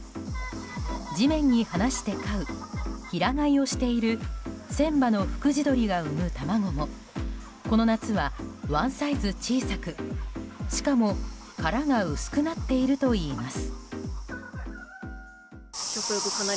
地面に放して飼う平飼いをしている１０００羽の福地鶏が産む卵もこの夏はワンサイズ小さくしかも殻が薄くなっているといいます。